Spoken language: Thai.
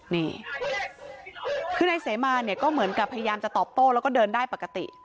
นี่คือนายเสมาเนี่ยก็เหมือนกับพยายามจะตอบโต้แล้วก็เดินได้ปกติ